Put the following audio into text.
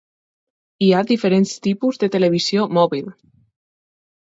Hi ha diferents tipus de televisió mòbil.